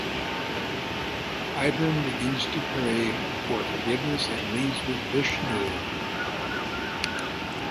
Ibrahim begins to pray for forgiveness and leaves with Vishnu.